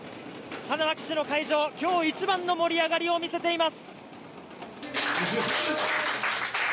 花巻市の会場、きょう一番の盛り上がりを見せています。